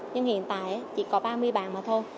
nhưng hiện tại chỉ có ba mươi bàn mà thôi